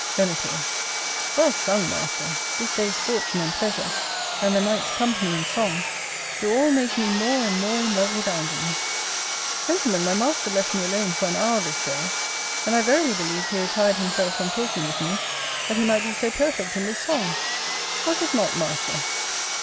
Venator. Well sung, master; this day's fortune and pleasure, and the night's company and song, do all make me more and more in love with angling. Gentlemen, my master left me alone for an hour this day; and I verily believe he retired himself from talking with me that he might be so perfect in this song; was it not, master?